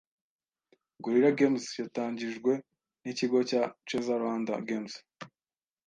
Gorilla Games yatangijwe n’ikigo cya Cheza Rwanda Games